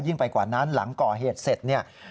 ไปกว่านั้นหลังก่อเหตุเสร็จเนี่ย